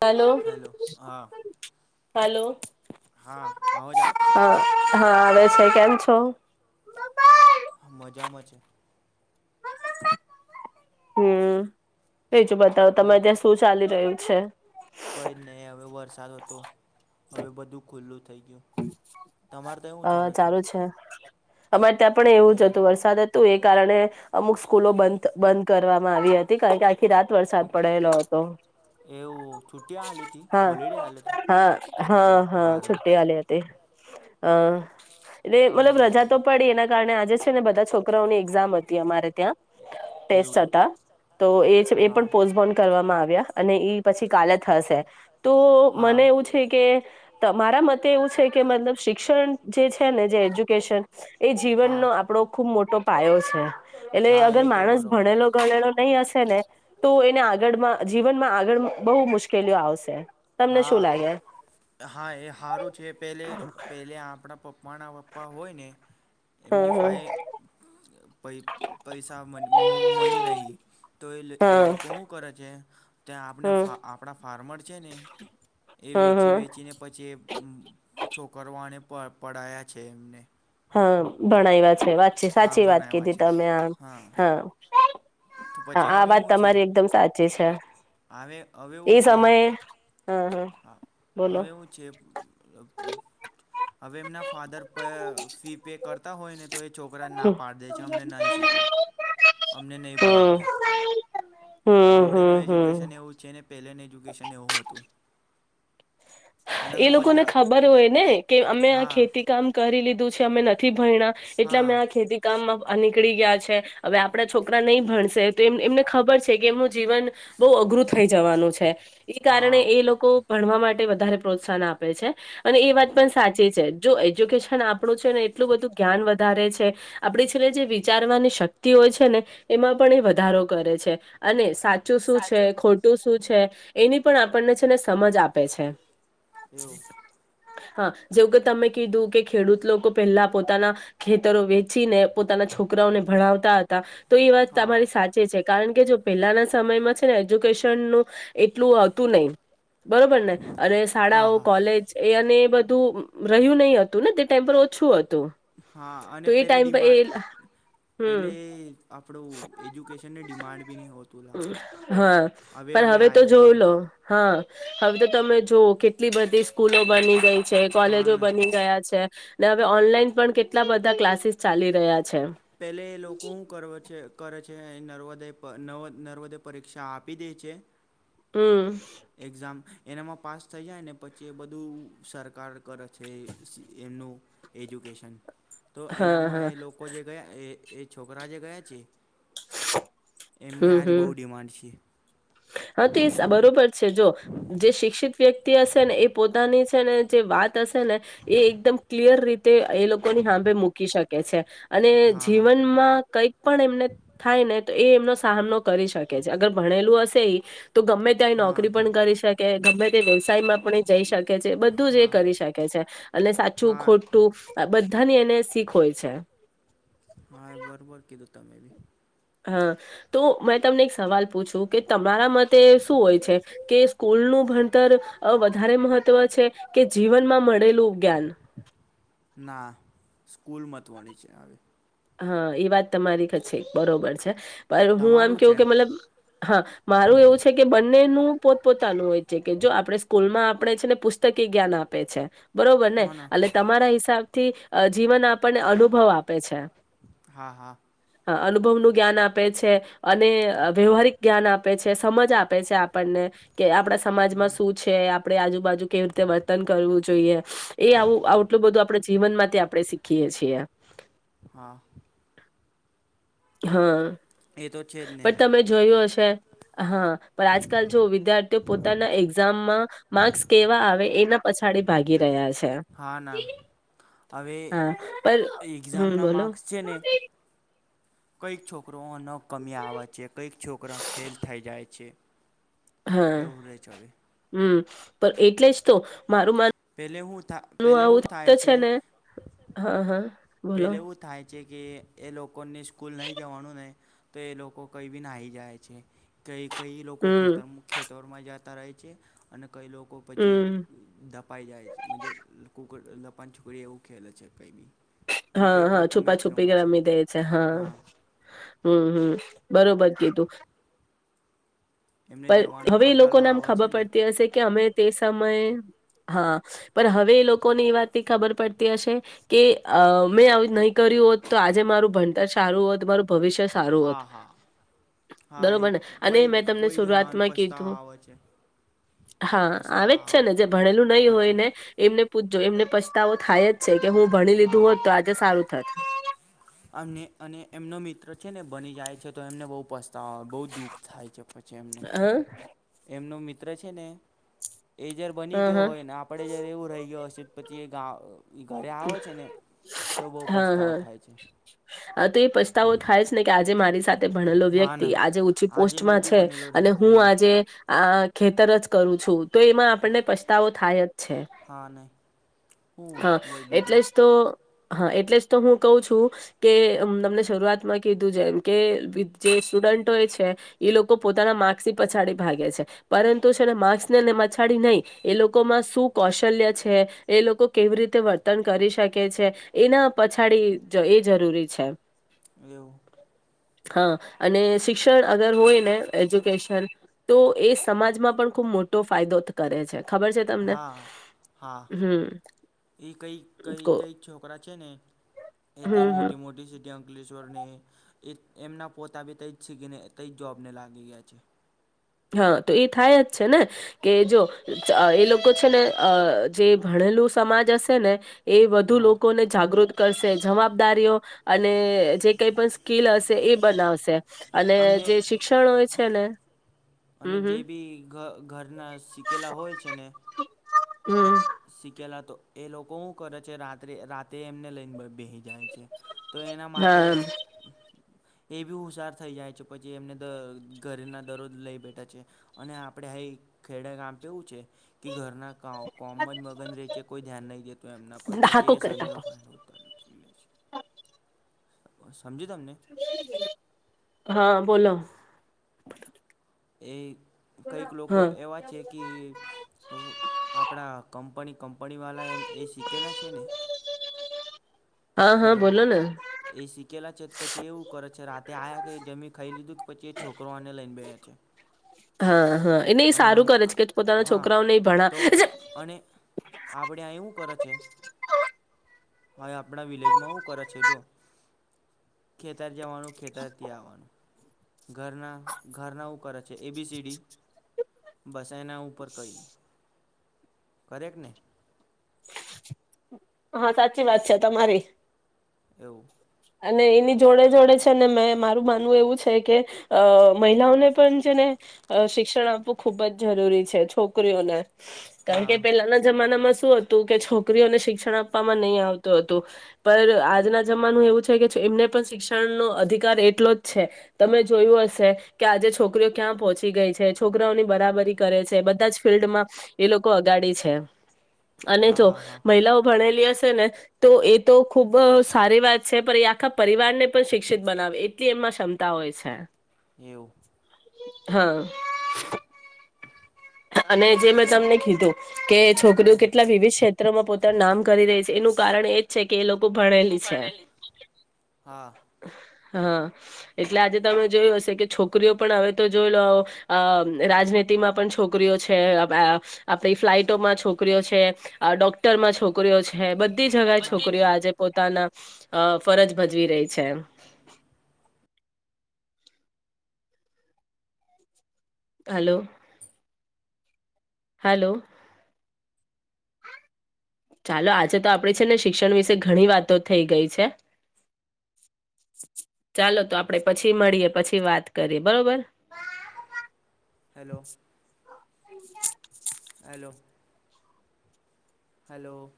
Hello hello હા hello હા અવાજ આવે હહ હા આવે છે કેમ છો? મજામાં છે. હમ બીજું બતાવો હું તમારે ત્યાં શું ચાલી રહ્યું છે? સાદ હતો હવે બધું ખુલ્લું થઈ ગયું. તમારે ત્યાં હું અ ચાલે છે? ચાલુ અમારે ત્યાં પણ એવું જ હતું વરસાદ હતું એક કારણે અમુક સ્કૂલો બંધ બંધ કરવામાં આવી હતી. કારણ કે આખી રાત વરસાદ પડેલો હતો. એવું છુટિયા આલીતી હા હોલિડે આલ્યો તો હા હા એવું હા હારું છુટ્ટી આલી હતી અ એટલે હું મતલબ એ રજા તો બીજું પડી એના કારણે આજે જ છે ને બધા છોકરાઓની એક્ઝામ હતી અમારે ત્યા ટેસ્ટ એવું એવું હતા તો એ છે એ હા પણ પોસ્ટબોન કરવામાં આવ્યા અને ઈ પછી કાલે થશે તો હા મને એવું છે કે તમારા મત તે એવું છે કે મતલબ શિક્ષણ જે છે ને જે એજ્યુકેશન એ હા જીવનનો આપણો ખુબ મોટો પાયો છે એટલે હા એ અગર તો માણસ બરોબર ભણેલો ગણેેલો નહી હશે ને તો એને આગળમાં જીવનમાં આગળ બહુ મુશ્કેલીઓ આવશે. તમને શું હા લાગે હા એ હારું છે પેલે પેલે આપણા પપ્પ માના પપ્પા હોય ને એમની હા ફાલ ય પ પૈસા મ મની નહીં, તો એ હા લોકો હુ, કરે છે ત્યાં આપને, હા હા આપણા ફાર્મર છે એ હા વેચી હા વેચીને પછી, એ છોકરોને પ પડાયા છે, એમને હા ભણાવ્યા છે, વાતચી હા સાચી વાત બનાવ્યા કીધી છે તમે આમ હા તો હા, પછી આ હવે વાત એવું છે તમારી એકદમ સાચી છે. હવે એ સમયે હા, હા. હા, બોલો હવેવું છે. હવે, એમના ફાધર પ ફી પે કરતા હોય ને તો એ છોકરા ના હમ પાડી દે છે, અમને નહી, શીખવું અમને નહી બનવું હમ કઈ હમ અવળેનું હમ હમ એજ્યુકેશન એવું છે, અનેને પહેલેનું એજ્યુકેશન એવું હતું. અને એ હવે લોકોને બધા ખબર હોય, ને કે અમે આ હા ખેતી કામ કરી લીધું છે. અમે નથી, ભરણા એટલે અમે, હા આ ખેતી કામમાં નીકળી ગયા છે, હવે આપણા છોકરા નહી, ભણશે તો એમ એમને ખબર છે, કે એમનું જીવન બહુ અઘરું થઈ, જવાનું છે. એ કારણે, હા એ લોકો ભણવા માટે વધારે પ્રોત્સાહન આપે છે, અને એ વાત પણ સાચી છે, જો એજ્યુકેશન આપણું છે ને એટલું બધું જ્ઞાન વધારે છે, આપણી છેલ્લે જે વિચારવાની શક્તિ હોય છે, ને એમાં પણ એ વધારો કરે છે, અને. ચું શું છે, ખોટું શું છે. છે, એની પણ આપણને છે, ને સમજ આપે છે. એવુ હા, જેવું કે તમે કીધું કે ખેડૂત લોકો પેલા પોતાના ખેતરો વેચીને પોતાના છોકરાઓને ભણાવતા, હ. તો એ વાત હા તમારી સાચે છે. કારણ કે, જો પહેલાના સમયમાં છેને, એજ્યુકેશન નુ. એટલું હતુ નહી, બરોબર ને. હા શાળાઓ, હા હા કોલેજ એ. બધું રહ્યું નહી, હતું ને તે ટેમ્પર ઓછું હ. હા, અને પેલે ડિમાન્ડ હમ પેલે આપણું એજ્યુકેશનને ડિમાન્ડ બી નહી, હોતું હા હવે પણ હવે તો જોવ આવ્યું લો હા હવે, તો તમે જો કેટલી બધી સ્કૂલો બની ગઈ છે, હા કોલેજો ને બની ગયા છે. ને હવે ઓનલાઈન પણ કેટલા બધા ક્લાસીસ ચાલી રહ્યા છે પેલે એ લોકો હું કરવે છે. કરે છે નર્મદે નર્મદે પરીક્ષા આપી દેય છે. હમ. એક્ઝામ એનામાં પાસ થઈ જાય ને પછી એ બધું સરકાર કરે છે એમનું એજ્યુકેશન. તો હા એનામાં હા એ લોકો જે ગયા એ એ છોકરાજે ગયા છે. એમને હમ આજ બહુ ડિમાન્ડ છે હમ હા તે બરોબર છે જો જે શિક્ષિ ત વ્યક્તિ હશે ને એ પોતાની છે ને જે વાત હશે ને એ એકદમ ક્લિયર રીતે એ લોકોની સાભે મૂકી શકે છે. અને હા હા જીવનમાં કઈક પણ એમને થાય ને એ એમનો સામનો કરી શકે છે અગર ભણેલું હશે તો ગમે ત્યાં હા નોકરી પણ કરી શકે ગમે થી વ્યવસાયમાં પણ એ જઈ શકે છે બધું જ એ હા કરી શકે છે એલે સાચું હા ખોટું બ ધાની એને શીખ હોય છે. હા એ બરોબર કીધું તમે બી. હા તો મેં તમને એક સવાલ પૂછું કે તમ મારા મતે શું હોય છે કે સ્કૂલ નું ભણતર વધારે મહત્વ છે કે જીવનમાં મ ના સ્કૂલ મત ત્વની છે આવી. હા એ વાત તમારી ક છે બરોબર છે. પણ હું આમ તમારું છે કેવું કે મતલબ હા મારું એવું છે કે બંનેનું પોત પોતાનું હોય છે કે જો આપડે સ્કૂલમાં આપે છે ને પુસ્તકી જ્ઞાન આપે છે. બરોબર ને એટલે તમારા હિસાબ થી જીવન આપણને અનુભવ આપે છે. હા હા. અનુભવનું જ્ઞાન આપે છે અને વ્યવહારિક જ્ઞાન આપે છે સમજ આપે છે આપણને કે આપડા સમાજમાં હા શું છે આપડે આજુબાજુ કેવી રીતે વર્તન કરવું જોઈએ. એ આવું આટલું બધું આપડે જીવનમાં થી આપડે શીખીએ છીએ. હા. હા. એ તો છે જ ને પણ તમે જોયું હશે હા પણ આજકાલ જો વિદ્યાર્થીઓ પોતાના એક્ઝામમાં માર્ક્સ કેવા આવે એના પછાડી ભાગી રહ્યા છે હા ના હવે હા પણ હમ એક્ઝામના બોલો. માર્ક્સ છે ને કંઈક છોકરો અ ન કમી આવે છે. કંઈક છોકરા ફેલ થઈ જાય છે. હા એવું રહે છે હવે હમ્મ પણ એટલે જ તો મારું માન પહેલે હું થા પહેલે આવું એવું તો થાય છે ને, હા હા બોલો પેલે એવું થાય જે કે એ લોક કોને સ્કૂલ નહી જવાનું ને તો એ લોકો કંઈ બી નાહી જાય છે. કંઈક કઈ લોકો હમ ખેતર મુખ્યતરમાં જાત તા રહે છે. અને કંઈ લોકો પછી હમ્મ ધપાઈ જાય છે. મજે લોકો લોપાની છોકરીઓ એવું ખેલે છે, કઈ બી અને હા કંઈક હા લોકો મેચ છુપાછુપી રમે રમી દે છે હા. હમ્મ હમ્મ બરોબર કીધું એમને પલ જવાનો હવે એ કંટાળો લોકોને આમ આવે ખબર છે ને પડતી હશે કે અમે તે સમયે હા, પણ હવે એ લોકોને એ વાત ની ખબર પડતી હશે કે, અ મેં આવું નહી કર્યું હોત તો, આજે મારું ભણતર સારું હોત. મારું ભવિષ્ય સારું હા હોત. હા હા એ બરોબર ને? અને કઈ મેં તમને કોઈ વાત જણાને માં પસ્તાવા કીધું. આવે છે હા આવે જ છે ને. જે ભણેલું નહી હોય પછી ને એમને પૂછજો એમને પછતાવો થાય જ છે કે હું ભણી લીધું હા હોત તો, આજે સારું થત અમને અને એમનો મિત્ર છે ને બની જાય છે તો, એમને બહ પસ તા બહુ દુઃખ થાય છે પછી એમને. હ હ એમનો મિત કુતરે છેને એ જ્યારે બની ગયો હ હોય. ને આપડે જયારે એવું રહી ગયો હશ પતિએ ગા એ ઘરે આવે છે ને. તો બહુ પસ્તાવ થાય છે. પસ્તાવ થાય છ ને, કે આજે મારી સ સાથે ભણેલો હા વ્યક્તિ ના આજે ઉચી આજે મેં પોસ્ટમાં બી છે. બનેલો અને રહેતો હું એવું આજે આ ખેતર જ કરું છું. તો એમાં આપણને પછતાવો થાાયત હા નહી હા ઓય એટલે જ તો હા એટલે જ તો હું કહું છું કે તમને શરૂઆતમાં કીધું છે એમ કે જે સ્ટુડન્ટો છે એ લોકો પોતાના માર્ક્સની પછાડી ભાગે છે પરંતુ છે ને માર્ક્સને પછાડી નહી એ લોકોમાં શું કૌશલ્ય છે એ લોકો કેવી રીતે વર્ તન કરી શકે છે એના પછાડી એ જરૂરી છે એવું હા અને શિક્ષણ અગર હોય ને એજ્યુકેશન તો એ સમાજમાં પણ ખૂબ મોટો ફાયદો કરે છે ખબર છે તમને હા હા હમ એ કઈ કઈ કો કઈ છોકરા છે ને એ ત હમ હમ મોટી મોટી સિટી અલેશ્વરને એ એમના પોતા બી ત શીખીને ત જોબ ને લાગી ગયા છે હા તો એ થાય જ છે ને કે જો એ લોકો છે ને જે ભણેલું સમાજ હશે ને એ વધુ હા લોકોને જાગૃત કરશે જવાબદારીઓ અને જે કઈ પણ સ્કીલ હશે એ બનાવશે અને જે અમને શિક્ષણ હોય છે ને અને હમ જે હમ બી ઘરના શીખેલા હોય છે ને હમ શીકેલા તો એ લોકો શું કરે છે રાત્રે રાતે એમને લઈને બે જાય છે તો એના માટે હા એ બી હોશિયાર થઈ જાય છે પછી એમને ઘરે ના દરરોજ લઈ બેઠા છે અને આપડે આ ખેડા કામ એવું છે કે ઘરના કામ [unintelligible] કોઈ ધ્યાન નહી દેતું એમના પર પછી હાકો એ કર કાપા [unintelligible] બસ સમજાયુ તમને હા બોલો એ કઈક લોકો હા એવા છે કે આપણા કંપની કંપનીવાળા એમ એ શીખેલા છે ને હા હા હલો બોલો ને એ શીખેલા છે તો પછી એવું કરે છે રાતે આયા કે જમી ખાઈ લીધું કે પછી એ છોકરો આને લઈને બેયા છે હા હા એને એ અને સારું હમ કરે છે કે પોતાના હા છોકરાઓને તો ભણ અને આપણે [unintelligible] હવે આપણા વિલેજમાં હું કરે છે જો ખેતર જવાનું ખેતરથી આવવાનું ઘરના ઘરના કરે છે એબીસીડી બસના ઉપર કઈ નહી કરેટ ને હા સાચી વાત છે તમારી એવું અને એની જોડે જોડે છે ને મે મારું માનવું એવું છે કે અ મહિલાઓને પણ છે ને શિક્ષણ આપવું ખુબ જ જરૂરી છે છોકરીઓને કારણ કે હા પેલાના જમાનામાં શું હતું કે છોકરીઓને શિક્ષણ આપ આપમાં નહી આવતું હતું પર આજના જમાનું એવું છે. કે એમને પણ શિક્ષણનોો અધિકાર એટલો જ છે. તમે જોયું હશે કે આજે છોકરીઓ ક્યાં પહોંચી ગઈ છે. છોકરાઓની બરાબરી કરે છે બધા જ ફિલ્ડમાં એ લોકો અગાડી છે. અને હા જો હા હા મહિલાઓ ભણેલી. તો એ તો ખુબ સારી વાત છે. પણ એ આખા પરિવાર ને પણ શિક્ષિત બનાવે એટલી એમાં ક્ષમતા હોય છે. એવ. હા. અને જે મેં તમને કીધું. કે છોકરીઓ કેટલા વિવિધ ક્ષેત્રોમાં પોતાનું નામ કરી રહી છે. એનું કારણ એ જ છે. કે એ લોકો. ભણેલી છે. હા હા એટલે આજે તમે જોયું હશે કે. છોકરીઓ પણ હવે તો જોઈ લો રાજનીતિમાં પણ છોકરીઓ છે, આપડી ફ્લાઈટોમાં છોકરીઓ છે, ડોક્ટરમાં છોકરીઓ છે. હે બધી જગાય હા છોકરીઓ આજે પો તન ફરજ ભજવી રહી છે એમ. હલો. હલો. ચાલો આજે તો આપડી છે ને શિક્ષણ વિશે ઘણી વાતો થઈ ગઈ છે. ચાલો તો આપડે પછી મળીએ, પછી વાત કરીએ બરોબર. હલો. [unintelligible] હલૂ. હલો.